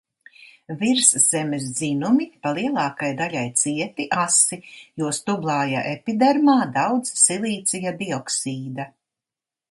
Virszemes dzinumi pa lielākai daļai cieti, asi, jo stublāja epidermā daudz silīcija dioksīda.